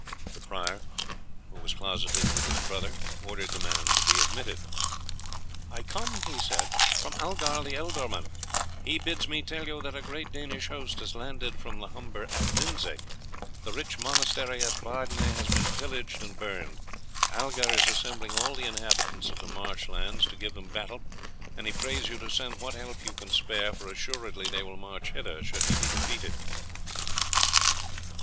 The latter, who was closeted with his brother, ordered the man to be admitted. "I come," he said, "from Algar the ealdorman. He bids me tell you that a great Danish host has landed from the Humber at Lindsay. The rich monastery of Bardenay has been pillaged and burned. Algar is assembling all the inhabitants of the marsh lands to give them battle, and he prays you to send what help you can spare, for assuredly they will march hither should he be defeated."